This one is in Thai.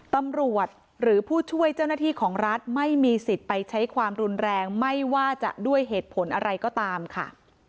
ตำรวจหรือผู้ช่วยเจ้าหน้าที่ของรัฐไม่มีสิทธิ์ไปใช้ความรุนแรงไม่ว่าจะด้วยเหตุผลอะไรก็ตามค่ะ